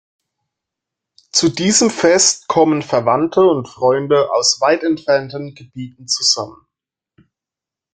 Zu diesem Fest kommen Verwandte und Freunde aus weit entfernten Gebieten zusammen.